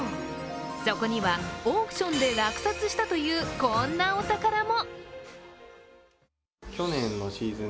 そこにはオークションで落札したという、こんなお宝も。